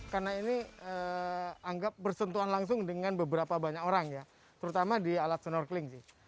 karena ini anggap bersentuhan langsung dengan beberapa banyak orang ya terutama di alat snorkeling sih